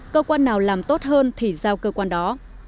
cơ quan nào làm tốt hơn thì giao cơ quan đó